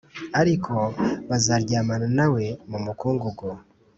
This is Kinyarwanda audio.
ariko buzaryamana na we mu mukungugu